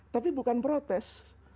tapi bukan protes